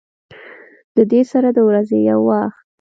د دې سره د ورځې يو وخت